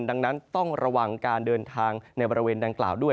ดังนั้นต้องระวังการเดินทางในบริเวณดังกล่าวด้วย